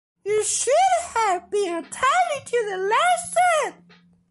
You should have been attending to the lesson.